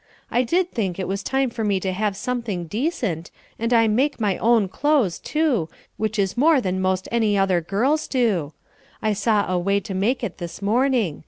I did think it was time for me to have something decent; and I make my own clothes, too, which is more than most any other girls do. I saw a way to make it this morning.